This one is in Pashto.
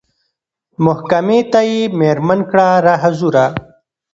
محکمې ته یې مېرمن کړه را حضوره